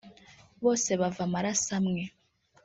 bose bava amaraso amwe